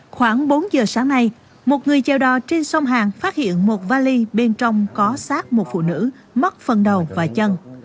khoảng bốn giờ sáng nay một người chèo đò trên sông hàng phát hiện một vali bên trong có sát một phụ nữ mắc phần đầu và chân